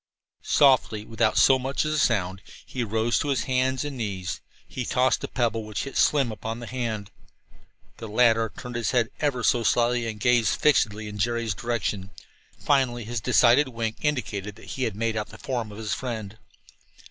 Softly, without so much as a sound, he rose to his hands and knees. He tossed a pebble, which hit Slim upon the hand. The latter turned his head ever so slightly and gazed fixedly in Jerry's direction. Finally his decided wink indicated that he had made out the form of his friend.